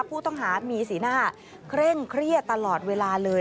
ผู้ต้องหามีสีหน้าเคร่งเครียดตลอดเวลาเลย